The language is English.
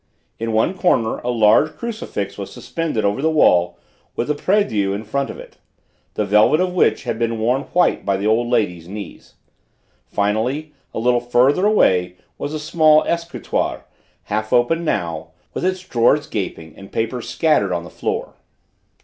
In one corner a large crucifix was suspended from the wall with a prie Dieu in front of it, the velvet of which had been worn white by the old lady's knees. Finally, a little further away, was a small escritoire, half open now, with its drawers gaping and papers scattered on the floor.